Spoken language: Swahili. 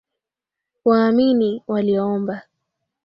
Waamini waliomba